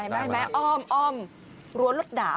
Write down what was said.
อ้อมตลอดรสดาม